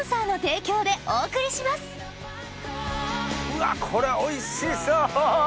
うわっこれおいしそ！